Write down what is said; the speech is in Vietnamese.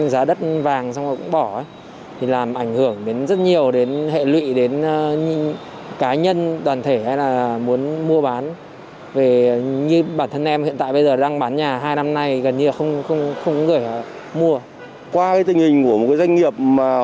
đầu tiên là ảnh hưởng đến các doanh nghiệp